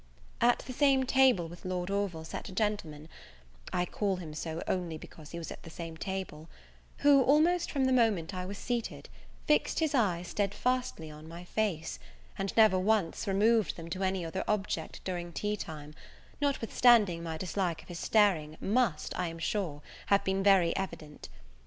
At the same table with Lord Orville sat a gentleman, I call him so only because he was at the same table, who, almost from the moment I was seated, fixed his eyes steadfastly on my face, and never once removed them to any other object during tea time, notwithstanding my dislike of his staring must, I am sure, have been very evident.